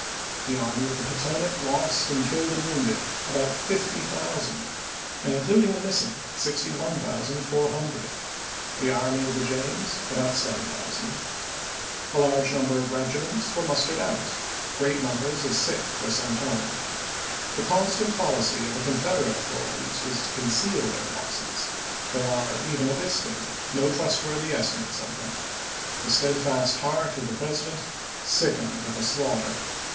The Army of the Potomac lost in killed and wounded about 50,000, and including the missing 61,400; the Army of ibid., p. 242. the James about 7000. A large number of regi ments were mustered out ; great numbers of sick were sent home. The constant policy of the Con federate authorities was to conceal their losses; there are even at this day no trustworthy esti mates of them. The steadfast heart of the Presi dent sickened at the slaughter.